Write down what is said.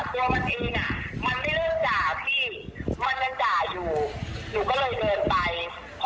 หนูจะเป็นยาอ่อนขนาดที่ว่าอยู่ดีป๊าแก้วยังไม่ตกเผาเป็นกระชากหัวเขาเหรอพี่